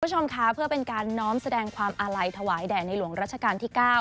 คุณผู้ชมค่ะเพื่อเป็นการน้อมแสดงความอาลัยถวายแด่ในหลวงรัชกาลที่๙